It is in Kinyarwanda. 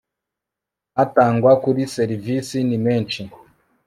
atangwa kuri serivisi ni menshi